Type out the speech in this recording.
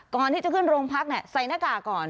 ก่อนที่จะขึ้นโรงพักใส่หน้ากากก่อน